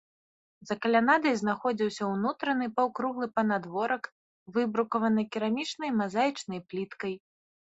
За каланадай знаходзіўся ўнутраны паўкруглы панадворак, выбрукаваны керамічнай мазаічнай пліткай.